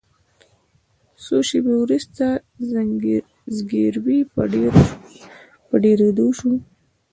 څو شیبې وروسته زګیروي په ډیریدو شو.